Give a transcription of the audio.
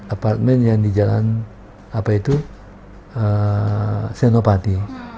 apartemen yang di jalan apa itu senopati